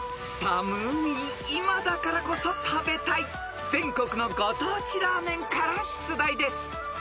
［寒い今だからこそ食べたい全国のご当地ラーメンから出題です］